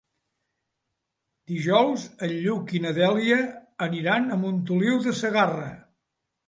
Dijous en Lluc i na Dèlia aniran a Montoliu de Segarra.